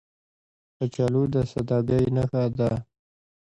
کچالو د سادګۍ نښه ده